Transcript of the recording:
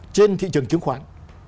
trên thị trường chứng khoán